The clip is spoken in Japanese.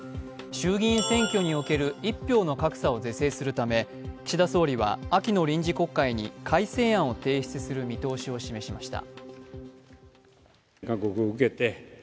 衆議院選挙における一票の格差を是正するため岸田総理は、秋の臨時国会に改正案を提出する見通しを示しました。